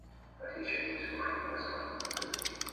В отличие от языков ее невозможно было забыть.